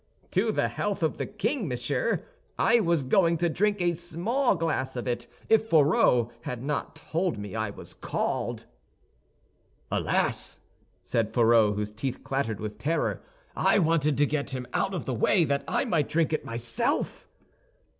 "To the health of the king, monsieur; I was going to drink a small glass of it if Fourreau had not told me I was called." "Alas!" said Fourreau, whose teeth chattered with terror, "I wanted to get him out of the way that I might drink myself."